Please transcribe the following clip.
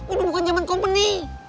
udah bukan zaman kompani